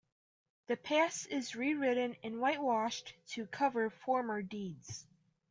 The past is rewritten and whitewashed to cover former deeds.